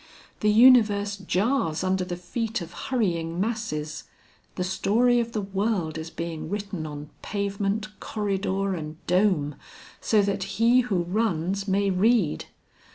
The universe jars under the feet of hurrying masses. The story of the world is being written on pavement, corridor, and dome, so that he who runs may read.